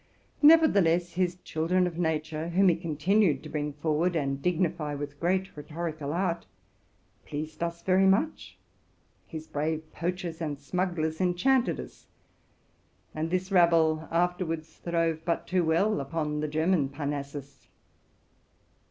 Nevertheless, his children of nature, whom he continued to bring forward and dignify with great rhetorical art, pleased us very much; his brave poach ers and smugglers enchanted us; and this rabble afterwards throve but too well upon the German Parnassus.